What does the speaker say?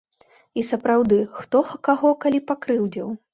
І сапраўды, хто каго калі пакрыўдзіў?